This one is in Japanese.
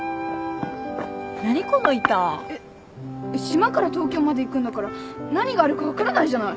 何この板？えっ島から東京まで行くんだから何があるか分からないじゃない！